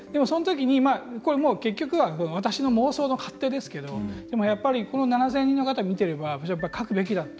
結局は私の妄想の勝手ですけどやっぱりこの７０００人の方を見てれば書くべきだった。